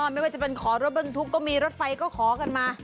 ไม่ว่าจะเป็นขอรถบรรทุกก็มีรถไฟก็ขอกันมา